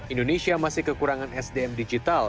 indonesia masih kekurangan sdm digital